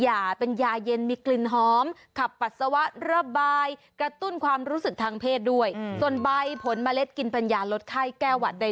เอาแล้วไก่อ่ะไก่มาจากใบมะคำไก่ค่ะ